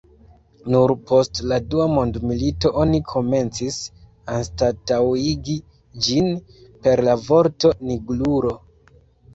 Nur post la dua mondmilito oni komencis anstataŭigi ĝin per la vorto "nigrulo".